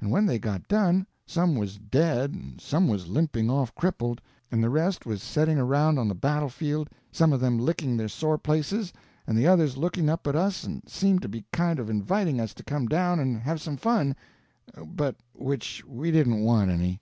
And when they got done, some was dead and some was limping off crippled, and the rest was setting around on the battlefield, some of them licking their sore places and the others looking up at us and seemed to be kind of inviting us to come down and have some fun, but which we didn't want any.